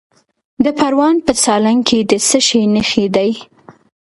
د پروان په سالنګ کې د څه شي نښې دي؟